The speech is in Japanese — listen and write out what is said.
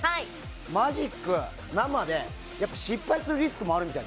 マジック生で失敗するリスクもあるみたい。